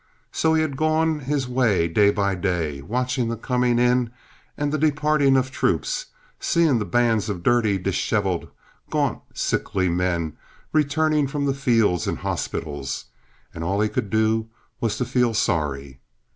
So he had gone his way day by day, watching the coming in and the departing of troops, seeing the bands of dirty, disheveled, gaunt, sickly men returning from the fields and hospitals; and all he could do was to feel sorry.